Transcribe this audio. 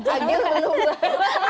agil belum ada